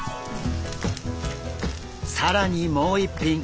更にもう一品